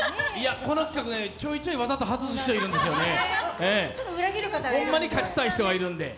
この企画、ちょいちょい外す人いるんだよね、ホントに勝ちたい人がいるんで。